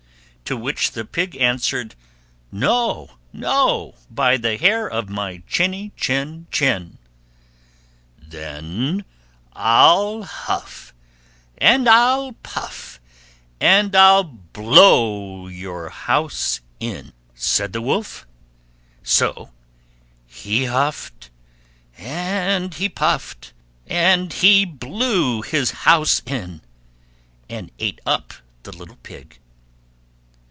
To which the Pig answered, "No, no, by the hair of my chinny chin chin." "Then I'll huff and I'll puff, and I'll blow your house in!" said the Wolf. So he huffed and he puffed, and he blew his house in, and ate up the little Pig.